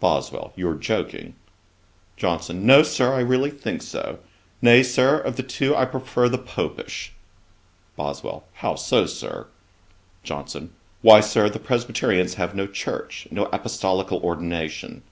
BOSWELL. 'You are joking.' JOHNSON. 'No, Sir, I really think so. Nay, Sir, of the two, I prefer the Popish.' BOSWELL. 'How so, Sir?' JOHNSON. 'Why, Sir, the Presbyterians have no church, no apostolical ordination.'